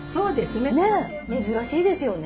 珍しいですよね。